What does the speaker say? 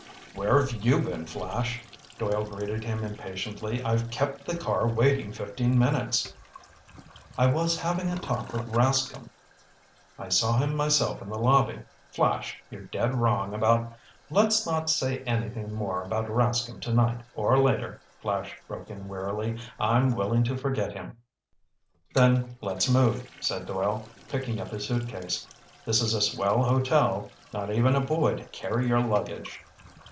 "Where've you been, Flash?" Doyle greeted him impatiently. "I've kept the car waiting fifteen minutes." "I was having a talk with Rascomb." "I saw him myself in the lobby. Flash you're dead wrong about—" "Let's not say anything more about Rascomb tonight or later," Flash broke in wearily. "I'm willing to forget him." "Then let's move," said Doyle, picking up his suitcase. "This is a swell hotel! Not even a boy to carry your luggage!"